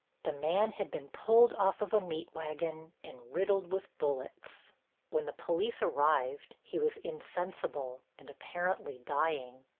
The man had been pulled off of a meat wagon and riddled with bullets. When the police arrived he was insensible and apparently dying.